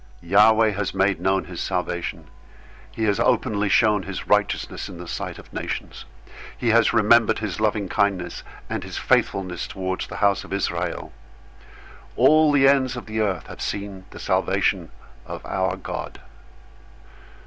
098:002 Yahweh has made known his salvation. He has openly shown his righteousness in the sight of the nations. 098:003 He has remembered his loving kindness and his faithfulness toward the house of Israel. All the ends of the earth have seen the salvation of our God.